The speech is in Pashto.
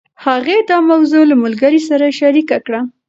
هغې دا موضوع له ملګرې سره شريکه کړه.